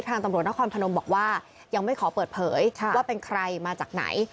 ตำรวจนครพนมบอกว่ายังไม่ขอเปิดเผยว่าเป็นใครมาจากไหน